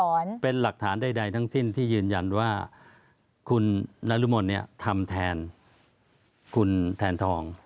เป็นหลักฐานใดทั้งสิ้นที่ยืนยันว่าคุณนรมนเนี่ยทำแทนคุณแทนทอง